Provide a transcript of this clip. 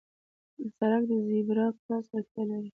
سړک د زېبرا کراس اړتیا لري.